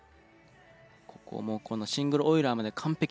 ここもこのシングルオイラーまで完璧。